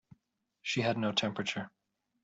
She had no temperature.